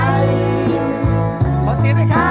ขอเสียได้ค่ะ